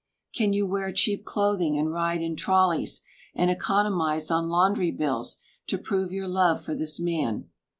Can you wear cheap clothing and ride in trolleys, and economize on laundry bills to prove your love for this man?